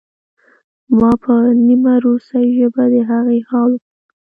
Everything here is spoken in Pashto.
ما په نیمه روسۍ ژبه د هغې حال وپوښت